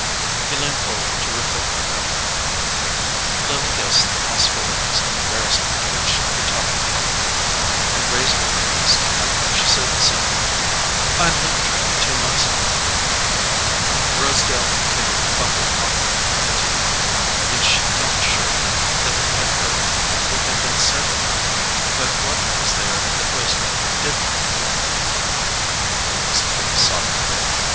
He leaned forward to refill her cup. Lily guessed the possibilities of embarrassment which the topic held for him, and raising her eyes to his, she said suddenly: "I left her two months ago." Rosedale continued to fumble awkwardly with the tea pot, and she felt sure that he had heard what had been said of her. But what was there that Rosedale did not hear? "Wasn't it a soft berth?"